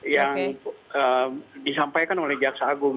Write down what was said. yang disampaikan oleh jaksa agung